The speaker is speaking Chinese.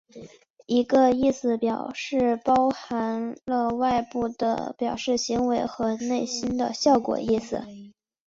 一个意思表示包含了外部的表示行为和内心的效果意思。